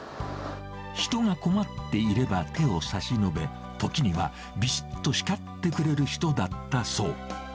人が困っていれば手を差し伸べ、時にはびしっと叱ってくれる人だったそう。